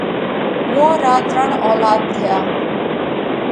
اُوئون را ترڻ اولاڌ ٿيا۔